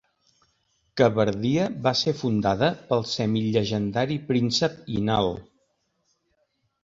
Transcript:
Kabardia va ser fundada pel semi-llegendari Príncep Inal.